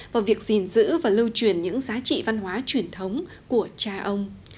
vào việc gìn giữ và lưu truyền những giá trị văn hóa truyền thống của cha ông